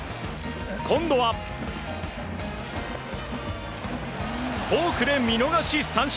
今度はフォークで見逃し三振。